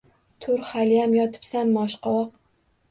Tur, haliyam yotibsanmi, oshqovoq!